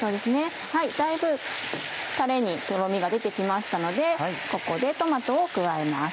だいぶタレにとろみが出て来ましたのでここでトマトを加えます。